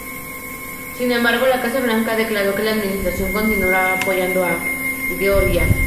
Sin embargo, la Casa Blanca declaró que la administración continuará apoyando a Georgia.